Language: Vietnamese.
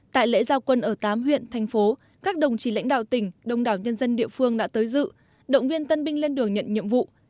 tại lễ giao quân ở tám huyện thành phố các đồng chí lãnh đạo tỉnh đông đảo nhân dân địa phương đã tới dự động viên tân binh lên đường nhận nhiệm vụ